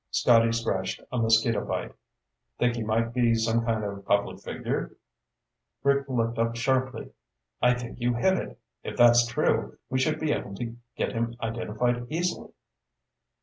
Scotty scratched a mosquito bite. "Think he might be some kind of public figure?" Rick looked up sharply. "I think you hit it! If that's true, we should be able to get him identified easily."